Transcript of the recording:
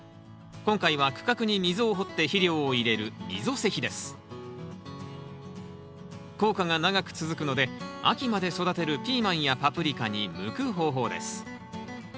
今回は区画に溝を掘って肥料を入れる効果が長く続くので秋まで育てるピーマンやパプリカに向く方法です。